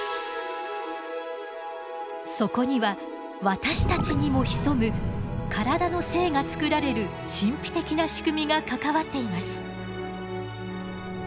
そこには私たちにも潜む体の性が作られる神秘的な仕組みが関わっています。